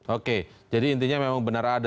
oke jadi intinya memang benar ada